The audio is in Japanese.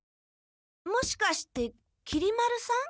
もしかしてきり丸さん？